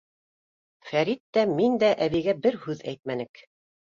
Фәрит тә, мин дә әбейгә бер һүҙ әйтмәнек.